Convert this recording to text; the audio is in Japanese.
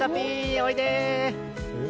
おいで！